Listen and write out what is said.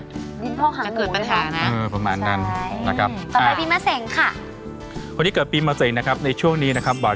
มีพ่อขางหงูไหมครับใช่นะครับ